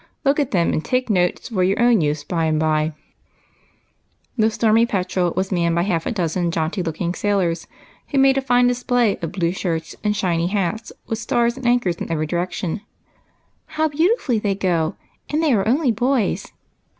Look at them, and take notes for your own use by and by." 4* F 82 EIGHT COUSINS. The " Stormy Petrel " was manned by half a dozen jaunty looking sailors, who made a fine display of blue shirts and shiny hats, with stars and anchors in every direction. " How beautifully they go, and they are only boys.